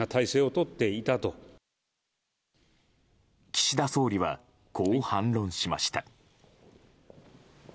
岸田総理は、こう反論しました。